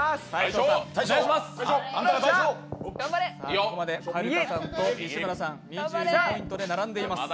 ここまではるかさんと西村さん２２ポイントで並んでいます。